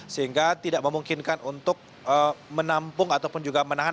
sehingga tidak memungkinkan untuk menampung ataupun juga menahan